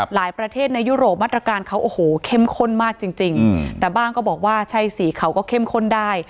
ประเทศในยุโรปมาตรการเขาโอ้โหเข้มข้นมากจริงแต่บ้างก็บอกว่าใช่สีเขาก็เข้มข้นได้